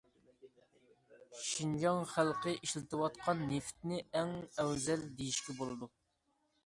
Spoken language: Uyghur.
شىنجاڭ خەلقى ئىشلىتىۋاتقان نېفىتنى ئەڭ ئەۋزەل دېيىشكە بولىدۇ.